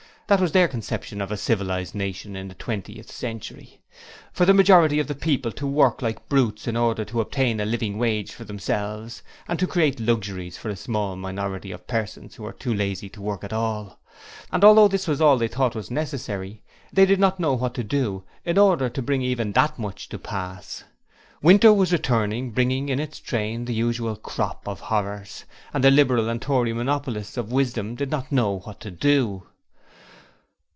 That was their conception of a civilized nation in the twentieth century! For the majority of the people to work like brutes in order to obtain a 'living wage' for themselves and to create luxuries for a small minority of persons who are too lazy to work at all! And although this was all they thought was necessary, they did not know what to do in order to bring even that much to pass! Winter was returning, bringing in its train the usual crop of horrors, and the Liberal and Tory monopolists of wisdom did not know what to do!